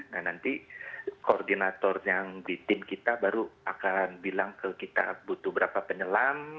nah nanti koordinator yang di tim kita baru akan bilang ke kita butuh berapa penyelam